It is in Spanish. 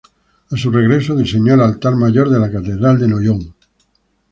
A su regreso, diseñó el altar mayor de la catedral de Noyon.